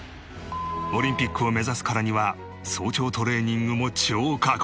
オリンピックを目指すからには早朝トレーニングも超過酷。